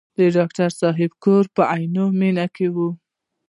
د ډاکټر صاحب کور په عینومېنه کې و.